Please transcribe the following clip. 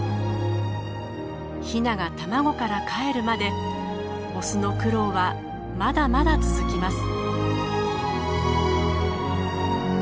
ヒナが卵からかえるまでオスの苦労はまだまだ続きます。